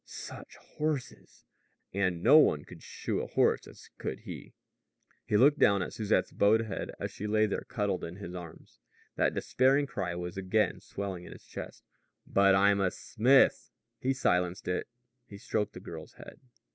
Such horses! And no one could shoe a horse as could he. He looked down at Susette's bowed head as she lay there cuddled in his arms. That despairing cry was again swelling in his chest: "But I'm a smith." He silenced it. He stroked the girl's head.